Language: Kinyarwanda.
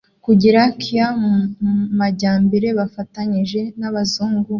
kugera ky majyambere bafatanyije n'abazungu